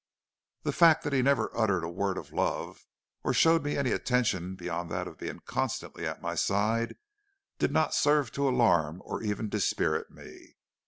"The fact that he never uttered a word of love or showed me any attention beyond that of being constantly at my side, did not serve to alarm or even dispirit me.